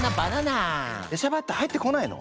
でしゃばって入ってこないの。